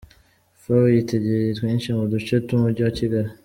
Fawe yitegeye twinshi mu duce tw'umujyi wa Kigali.